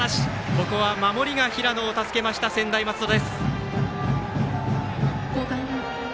ここは守りが平野を助けました専大松戸です。